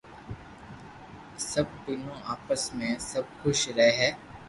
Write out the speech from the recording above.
سب ڀينو آپس ميو سب خوݾ رھي ھي